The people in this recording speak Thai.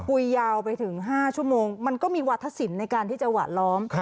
ยาวไปถึง๕ชั่วโมงมันก็มีวัฒนศิลป์ในการที่จะหวาดล้อม